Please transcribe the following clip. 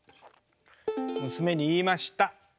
娘に言いました。